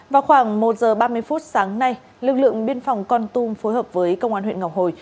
vào khoảng một giờ ba mươi phút sáng nay lực lượng biên phòng con tum phối hợp với công an huyện ngọc hồi